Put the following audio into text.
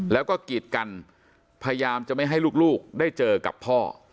แล้วก็กีดกันพยายามจะไม่ให้ลูกได้เจอกับพ่อ